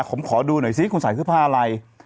ผมขอดูหน่อยซิคุณใส่เสื้อผ้าอะไร